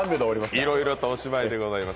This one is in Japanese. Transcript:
いろいろとおしまいでございます。